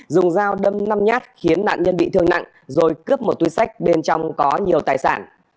dùng dao đâm năm nhát khiến nạn nhân bị thương nặng rồi cướp một túi sách bên trong có nhiều tài sản